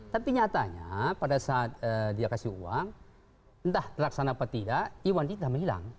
tapi nyatanya pada saat dia kasih uang entah terlaksana apa tidak iwan kita menghilang